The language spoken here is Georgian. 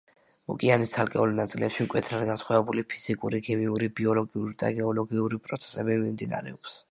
ოკეანის ცალკეულ ნაწილებში მკვეთრად განსხვავებული ფიზიკური, ქიმიური, ბიოლოგიური და გეოლოგიური პროცესები მიმდინარეობს.